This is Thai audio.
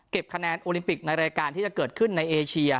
คะแนนโอลิมปิกในรายการที่จะเกิดขึ้นในเอเชีย